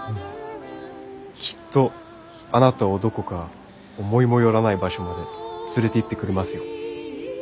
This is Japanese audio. きっとあなたをどこか思いも寄らない場所まで連れていってくれますよ。